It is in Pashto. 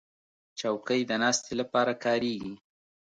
چوکۍ د ناستې لپاره کارېږي.